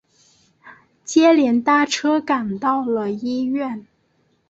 接连搭车赶到了医院